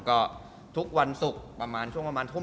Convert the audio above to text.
ก็ทุกวันศุกร์ประมาณช่วงประมาณทุ่ม